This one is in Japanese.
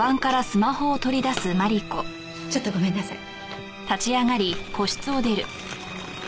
ちょっとごめんなさい。